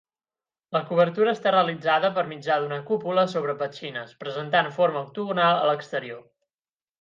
La cobertura està realitzada per mitjà d'una cúpula sobre petxines, presentant forma octogonal a l'exterior.